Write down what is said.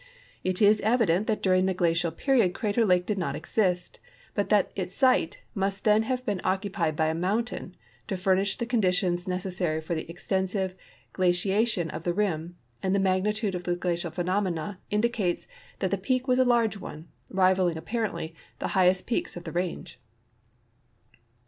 It is evident that during the glacial period Crater lake did not exist, but that its site must then liave been occupied by a mountain to furnish tlie conditions necessary for the extensive glaciation of the rim, and the magnitude of the glacial phenomena indicates that the peak was a large one, rival ing, apparently, the higliest peaks of the range.